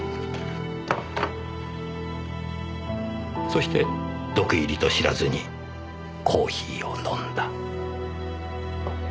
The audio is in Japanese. そして毒入りと知らずにコーヒーを飲んだ。